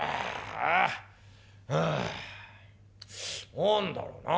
何だろうなあ。